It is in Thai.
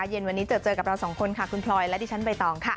เย็นวันนี้เจอเจอกับเราสองคนค่ะคุณพลอยและดิฉันใบตองค่ะ